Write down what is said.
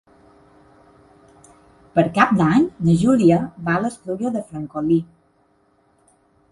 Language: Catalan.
Per Cap d'Any na Júlia va a l'Espluga de Francolí.